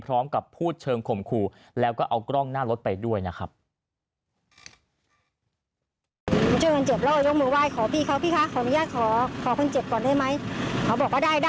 พร้อมกับพูดเชิงข่มขู่แล้วก็เอากล้องหน้ารถไปด้วยนะครับ